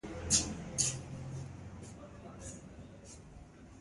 دوی ښکلوي یې، سجدې ورته کوي.